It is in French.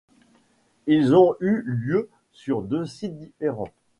Ils ont eu lieu sur deux sites différents.